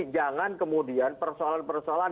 jangan kemudian persoalan persoalan